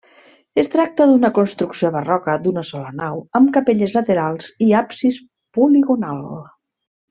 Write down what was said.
Es tracta d'una construcció barroca d'una sola nau, amb capelles laterals i absis poligonal.